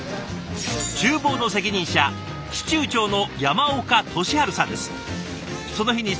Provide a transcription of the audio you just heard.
ちゅう房の責任者司厨長の山岡利春さんです。